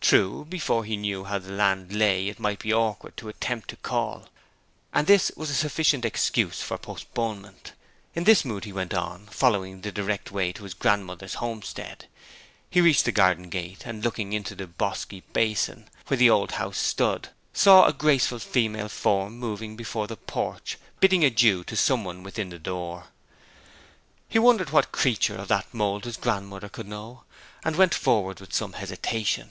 True, before he knew how the land lay it might be awkward to attempt to call: and this was a sufficient excuse for postponement. In this mood he went on, following the direct way to his grandmother's homestead. He reached the garden gate, and, looking into the bosky basin where the old house stood, saw a graceful female form moving before the porch, bidding adieu to some one within the door. He wondered what creature of that mould his grandmother could know, and went forward with some hesitation.